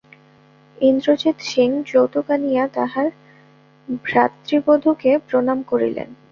ইন্দ্রজিৎ সিং যৌতুক আনিয়া তাঁহার ভ্রাতৃবধূকে প্রণাম করিলেন।